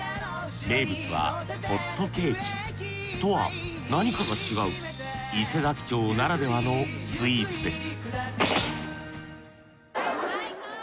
名物はホットケーキ。とは何かが違う伊勢佐木町ならではのスイーツです